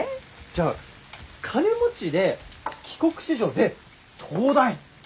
じゃあ金持ちで帰国子女で東大？